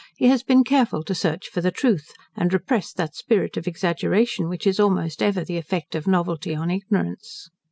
He has been careful to search for the truth, and repress that spirit of exaggeration which is almost ever the effect of novelty on ignorance.